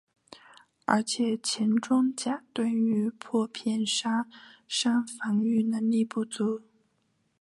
而且前装甲对于破片杀伤防御能力不足。